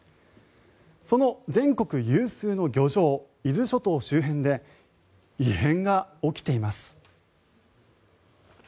その全国有数の漁場伊豆諸島周辺で異変が起きています。